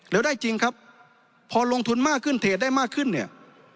แล้วได้จริงครับพอลงทุนมากขึ้นเทรดได้มากขึ้นเนี่ย